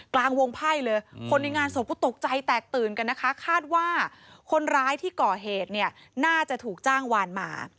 กลางวงไพ่เลยคนในงานศพก็ตกใจแตกตื่นกันนะคะคาดว่าคนร้ายที่ก่อเหตุเนี่ยน่าจะถูกจ้างวานมา